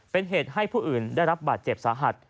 เป็นเหตุให้ผู้อื่นได้รับบาดเจ็บสาหัส